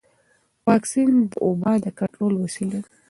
واکسن د وبا د کنټرول وسیله ده.